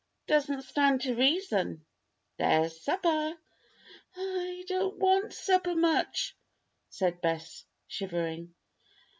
"Doesn't stand to reason. There's supper!" "I I don't want supper much," said Bess, shivering.